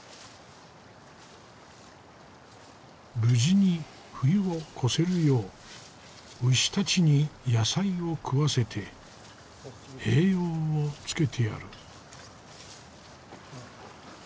無事に冬を越せるよう牛たちに野菜を食わせて栄養をつけてやる。